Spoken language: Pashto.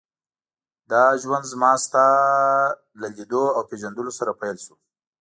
دا ژوند زما ستا له لیدو او پېژندلو سره پیل شو.